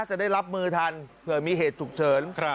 จะได้รับมือทันเผื่อมีเหตุฉุกเฉิน